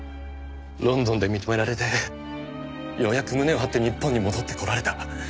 ロンドンで認められてようやく胸を張って日本に戻ってこられた。